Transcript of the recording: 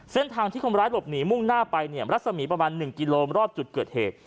เส้นทางที่คนร้ายหลบหนีมุ่งหน้าไปเนี่ยรัศมีประมาณ๑กิโลรอบจุดเกิดเหตุ